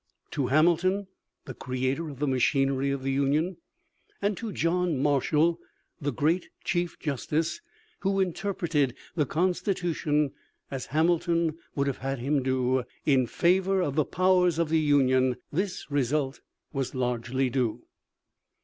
To Hamilton, the creator of the machinery of the Union, and to John Marshall, the great Chief Justice, who interpreted the Constitution as Hamilton would have had him do, in favor of the powers of the Union, this result was largely due.